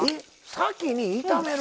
先に炒める？